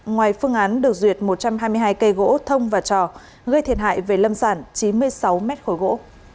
ngoài phương án được duyệt một trăm hai mươi hai cây gỗ thông và trò gây thiệt hại về lâm sản chín mươi sáu mét khối gỗ